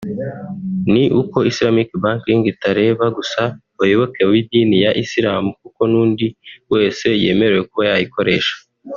ni uko “Islamic Banking” itareba gusa abayoboke b’idini ya Islam kuko n’undi wese yemerewe kuba yayikoresha